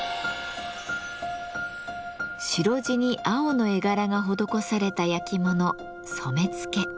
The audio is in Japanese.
白地に青の絵柄が施された焼き物「染付」。